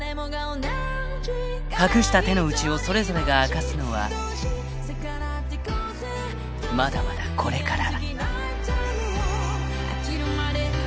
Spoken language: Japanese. ［隠した手の内をそれぞれが明かすのはまだまだこれから］